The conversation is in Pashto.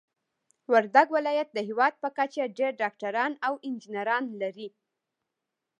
وردګ ولايت د هيواد په کچه ډير ډاکټران او انجنيران لري.